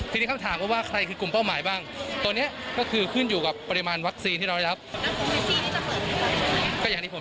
ทีนี้คำถามก็ว่าใครคือกลุ่มเป้าหมายบ้างตัวนี้ก็คือขึ้นอยู่กับปริมาณวัคซีนที่เราได้รับ